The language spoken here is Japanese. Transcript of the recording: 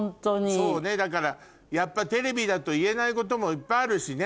そうねだからやっぱテレビだと言えないこともいっぱいあるしね。